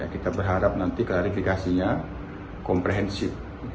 kita berharap nanti klarifikasinya komprehensif